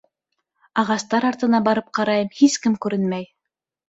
Ағастар артына барып ҡарайым — һис кем күренмәй.